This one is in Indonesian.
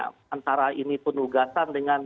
bagaimana cara ini penugasan dengan